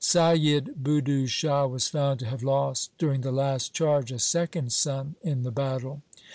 Saiyid Budhu Shah was found to have lost during the last charge a second son in the battle.